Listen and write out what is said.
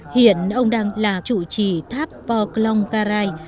hiện ông đang là chủ trì tháp pò clong karai